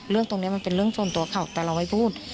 เรื่องตรงนี้มันเป็นเรื่องส่วนตัวเขาแต่เราไม่พูด